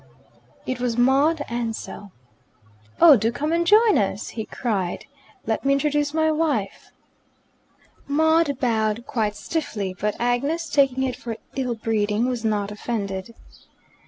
It was Maud Ansell. "Oh, do come and join us!" he cried. "Let me introduce my wife." Maud bowed quite stiffly, but Agnes, taking it for ill breeding, was not offended.